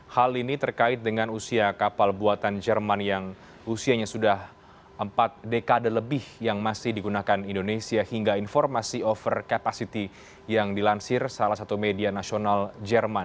hal ini terkait dengan usia kapal buatan jerman yang usianya sudah empat dekade lebih yang masih digunakan indonesia hingga informasi over capacity yang dilansir salah satu media nasional jerman